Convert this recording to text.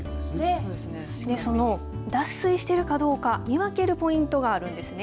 その脱水してるかどうか見分けるポイントがあるんですね。